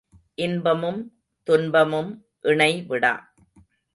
இன்பமும் துன்பமும் இணை விடா.